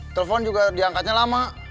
telepon juga diangkatnya lama